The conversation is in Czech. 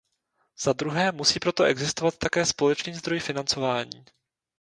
Zadruhé musí proto existovat také společný zdroj financování.